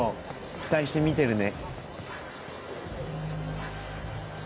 期待して見てるね。